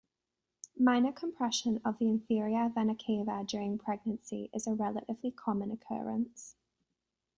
Minor compression of the inferior vena cava during pregnancy is a relatively common occurrence.